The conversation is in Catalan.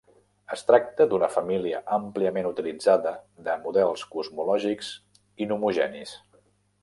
Es tracta d'una família àmpliament utilitzada de models cosmològics inhomogenis.